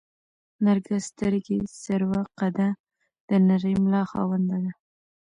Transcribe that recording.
نرګس سترګې، سروه قده، د نرۍ ملا خاونده ده